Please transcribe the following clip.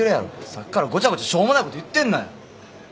さっきからごちゃごちゃしょうもないこと言ってんなや。